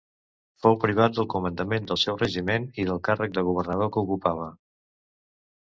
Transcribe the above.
Fou privat del comandament del seu regiment i del càrrec de governador que ocupava.